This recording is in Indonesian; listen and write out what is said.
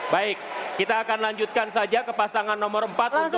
baik kita akan lanjutkan saja ke pasangan nomor empat untuk